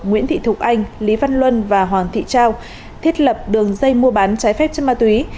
nguyễn thị thục anh lý văn luân và hoàng thị trao thiết lập đường dây mua bán trái phép chất ma túy